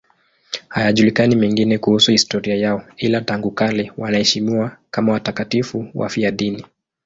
Hayajulikani mengine kuhusu historia yao, ila tangu kale wanaheshimiwa kama watakatifu wafiadini.